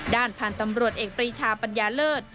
ด้านพันธุ์ตำรวจเอกปรีชาปัญญาเลิศ